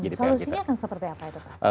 solusinya akan seperti apa itu pak